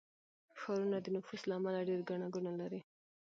ښارونه د نفوس له امله ډېر ګڼه ګوڼه لري.